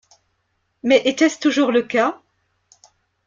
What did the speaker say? Mais était-ce toujours le cas?